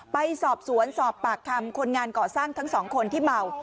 ไปสอบสวนสอบปากคำคนงานก่อสร้างทั้งสองคนที่เมา